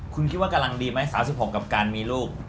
คุณคิดว่ากำลังดีไหม๓๖กับการมีลูก